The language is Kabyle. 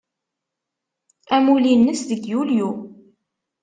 Amulli-nnes deg Yulyu.